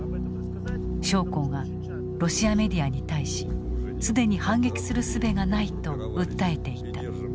将校がロシアメディアに対し既に反撃するすべがないと訴えていた。